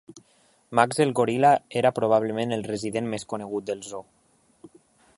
Max el goril·la era probablement el resident més conegut del zoo.